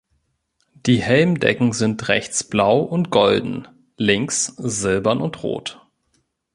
Die Helmdecken sind rechts blau und golden, links silbern und rot.